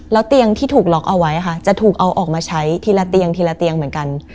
แล้วเตียงที่ถูกล็อกเอาไว้ค่ะจะถูกเอาออกมาใช้ทีละเตียงทีละเตียงเหมือนกัน